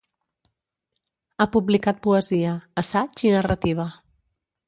Ha publicat poesia, assaig i narrativa.